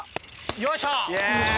よいしょ！